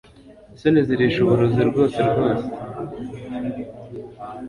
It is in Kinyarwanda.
isoni zirisha uburozi rwose rwose